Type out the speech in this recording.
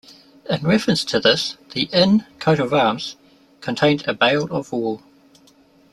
In reference to this, the Inn coat of arms contained a bale of wool.